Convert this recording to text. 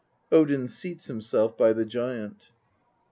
(Odin seats himself by the giant.)